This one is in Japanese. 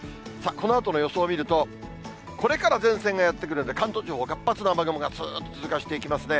このあとの予想を見ると、これから前線がやって来るんで、関東地方は活発な雨雲がずーっと通過していきますね。